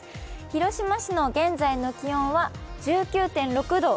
広島市の現在の気温は１９．６度。